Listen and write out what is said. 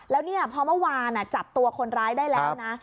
แล้วเนี่ยพอเมื่อวานจับตัวคนร้ายได้แล้วนะ